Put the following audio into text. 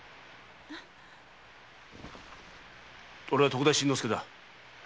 おれは徳田新之助だ。